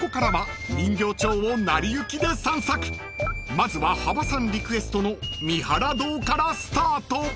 ［まずは羽場さんリクエストの三原堂からスタート］